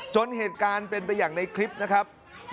จนเหตุการณ์เป็นไปอย่างในคลิปนะครับ